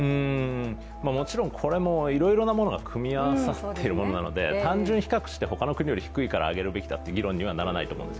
もちろんこれもいろいろなものが組み合わさっているもので、単純に比較して他の国より上げるべきだという議論にはならないと思うんです。